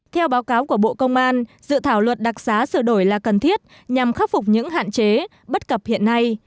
theo báo cáo của bộ công an dự thảo luật đặc xá sửa đổi là cần thiết nhằm khắc phục những hạn chế bất cập hiện nay